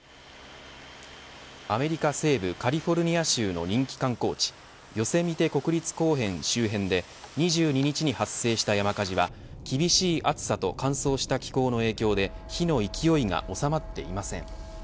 アメリカ西部カリフォルニア州の人気観光地ヨセミテ国立公園周辺で２２日に発生した山火事は厳しい暑さと乾燥した気候の影響で火の勢いが収まっていません。